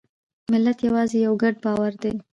ملت یوازې یو ګډ باور دی.